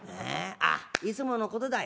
あっいつものことだよ。